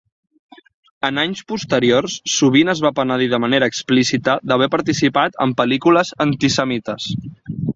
En anys posteriors, sovint es va penedir de manera explícita d'haver participat en pel·lícules antisemites.